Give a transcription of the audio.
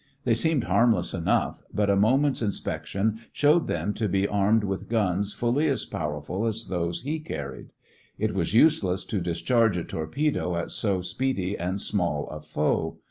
They seemed harmless enough, but a moment's inspection showed them to be armed with guns fully as powerful as those he carried. It was useless to discharge a torpedo at so speedy and small a foe.